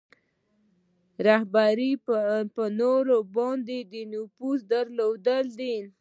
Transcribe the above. رهبري په نورو باندې د نفوذ درلودل دي.